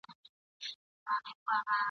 یا د میني په امید یو تخنوي مو راته زړونه !.